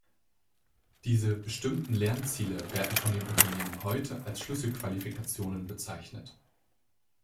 Diese „bestimmten Lernziele“ werden von den Unternehmen heute als „Schlüsselqualifikationen“ bezeichnet.